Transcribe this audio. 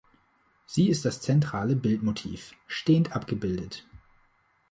Sie ist das zentrale Bildmotiv; stehend abgebildet.